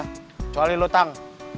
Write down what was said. kecuali lu tang